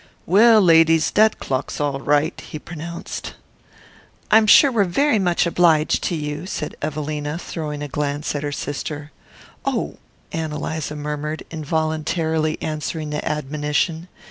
"Well, ladies, dat clock's all right," he pronounced. "I'm sure we're very much obliged to you," said Evelina, throwing a glance at her sister. "Oh," Ann Eliza murmured, involuntarily answering the admonition.